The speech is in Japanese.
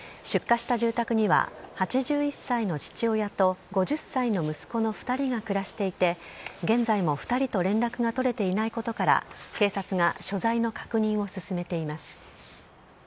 出火した住宅には、８１歳の父親と５０歳の息子の２人が暮らしていて、現在も２人と連絡が取れていないことから、警察が所在の確認を進めています。